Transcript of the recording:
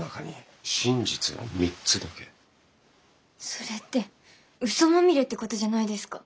それって嘘まみれってことじゃないですか？